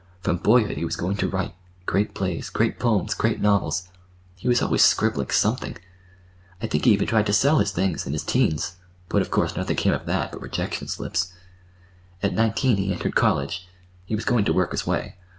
From boyhood he was going to write—great plays, great poems, great novels. He was always scribbling—something. I think he even tried to sell his things, in his 'teens; but of course nothing came of that—but rejection slips. "At nineteen he entered college. He was going to work his way.